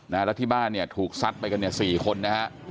แล้วที่บ้านเนี่ยถูกซัดไปกันเนี่ย๔คนนะฮะ